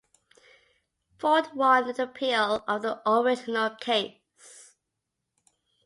Ford won the appeal of the original case.